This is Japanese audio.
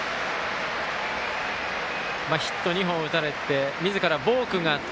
ヒット２本を打たれてみずからボークがあって。